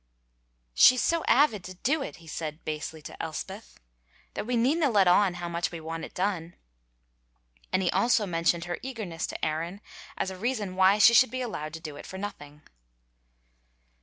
"She's so awid to do it," he said basely to Elspeth, "that we needna let on how much we want it done." And he also mentioned her eagerness to Aaron as a reason why she should be allowed to do it for nothing.